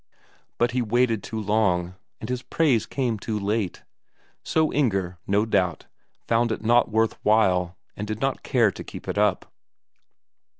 But he waited too long, and his praise came too late. So Inger, no doubt, found it not worth while, and did not care to keep it up.